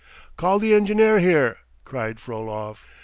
"Call the engineer here!" cried Frolov.